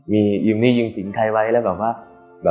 มียุ่งนี่ยุ่งสินใครไว้แล้วแบบว่า